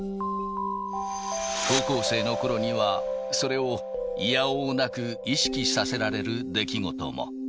高校生のころには、それをいやおうなく意識させられる出来事も。